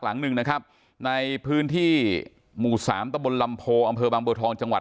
หลังหนึ่งนะครับในพื้นที่หมู่สามตะบนลำโพอำเภอบางบัวทองจังหวัด